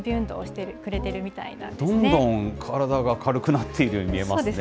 どんどん体が軽くなっているように見えますね。